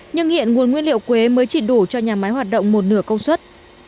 nhưng hiện nguồn nguyên liệu quế mới chỉ đủ cho nhà máy hoạt động một nửa công suất